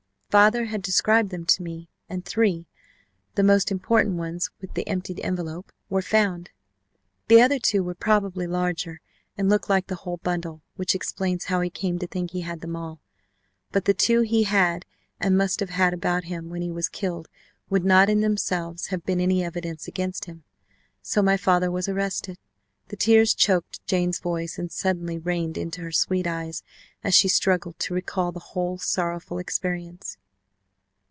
Father had described them to me, and three the most important ones with the empty envelope were found. The other two were probably larger, and looked like the whole bundle, which explains how he came to think he had them all. But the two he had and must have had about him when he was killed would not in themselves have been any evidence against him. So, my father was arrested !" The tears choked Jane's voice and suddenly rained into her sweet eyes as she struggled to recall the whole sorrowful experience.